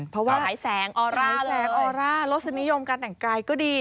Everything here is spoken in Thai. ใช้แสงออร่าโรสนิยมการแหน่งกายก็ดี